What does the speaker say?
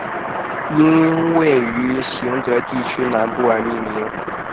因位于行德地区南部而命名。